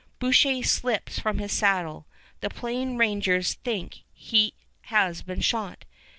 Boucher slips from his saddle. The Plain Rangers think he has been shot.